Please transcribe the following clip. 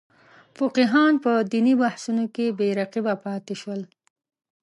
فقیهان په دیني بحثونو کې بې رقیبه پاتې شول.